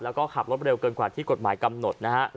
แล้วก็ขับรถเร็วเกินกว่าที่กฎหมายกำหนดนะฮะ